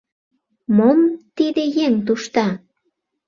Мом тиде еҥ тушта?